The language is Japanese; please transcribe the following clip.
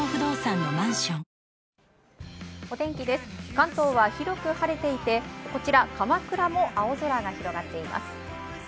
関東は広く晴れていて、こちら鎌倉も青空が広がっています。